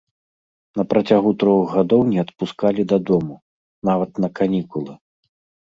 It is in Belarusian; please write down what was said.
На працягу трох гадоў не адпускалі дадому, нават на канікулы.